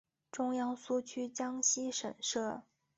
中央苏区江西省设。